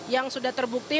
yang sudah terbukti